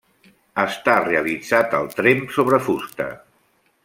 Està realitzat al tremp sobre fusta.